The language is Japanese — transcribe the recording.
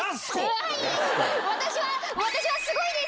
私は、私はすごいです。